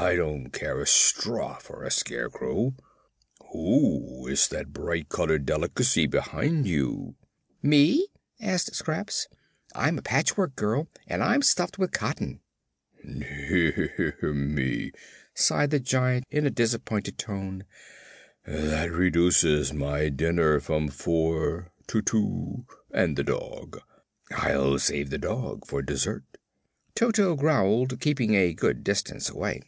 Ugh! I don't care a straw for a scarecrow. Who is that bright colored delicacy behind you?" "Me?" asked Scraps. "I'm a Patchwork Girl, and I'm stuffed with cotton." "Dear me," sighed the Giant in a disappointed tone; "that reduces my dinner from four to two and the dog. I'll save the dog for dessert." Toto growled, keeping a good distance away.